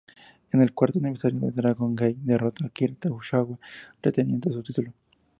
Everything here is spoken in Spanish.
En el cuarto aniversario de Dragon Gate, derrotó a Akira Tozawa, reteniendo su título.